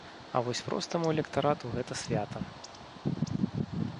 А вось простаму электарату гэта свята.